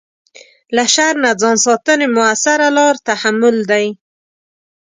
له شر نه ځان ساتنې مؤثره لاره تحمل ده.